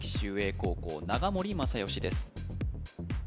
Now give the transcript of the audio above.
高校長森正純です